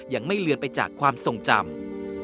เลือนไปจากความทรงจำ